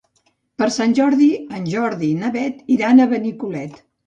Per Sant Jordi en Jordi i na Beth iran a Benicolet.